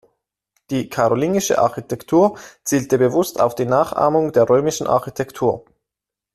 Die karolingische Architektur zielte bewusst auf die Nachahmung der römischen Architektur.